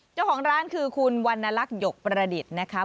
เจ้าของร้านคือคุณวันนรักหยกประฎิสนะคะ